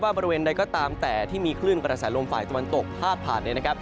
บริเวณใดก็ตามแต่ที่มีคลื่นกระแสลมฝ่ายตะวันตกพาดผ่านเนี่ยนะครับ